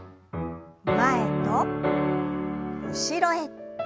前と後ろへ。